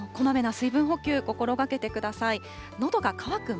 こまめな水分補給、心がけてください。